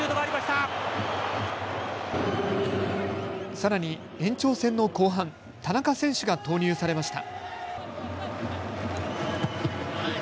さらに延長戦の後半、田中選手が投入されました。